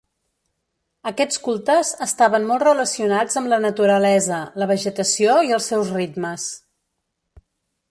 Aquests cultes estaven molt relacionats amb la naturalesa, la vegetació i els seus ritmes.